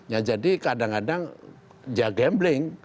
ya jadi kadang kadang ya gambling